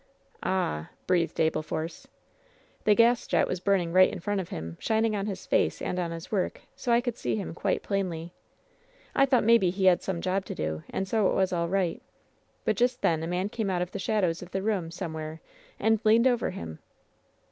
"Ah!" breathed Abel Force. "The gas jet was burning right in front of him, shin ing on his face and on his work so I could see him quite plainly. I thought maybe he had some job to do, and so it was all right ; but just then a man came out of the shadows of the room somewhere and leaned over him."